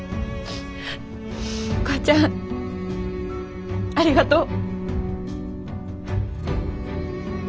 お母ちゃんありがとう。